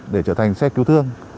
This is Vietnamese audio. để trở thành xe cứu thương